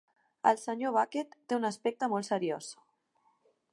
El senyor Bucket té un aspecte molt seriós.